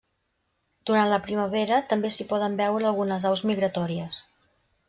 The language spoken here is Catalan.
Durant la primavera també s’hi poden veure algunes aus migratòries.